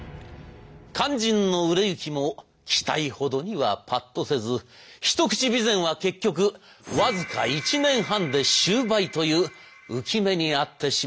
肝心の売れ行きも期待ほどにはパッとせずひとくち美膳は結局僅か１年半で終売という憂き目に遭ってしまったのでございます。